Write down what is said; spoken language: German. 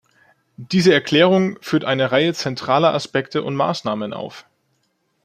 Diese Erklärung führt eine Reihe zentraler Aspekte und Maßnahmen auf.